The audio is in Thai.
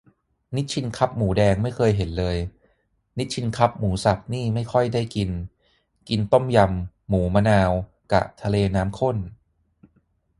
นิชชินคัพหมูแดงไม่เคยเห็นเลย นิชชินคัพหมูสับนี่ไม่ค่อยได้กิน กินต้มยำ หมูมะนาว กะ ทะเลน้ำข้น